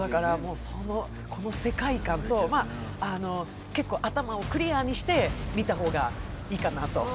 この世界観と、結構頭をクリアにして見た方がいいかなと。